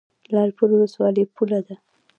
لعل پورې ولسوالۍ پوله ده؟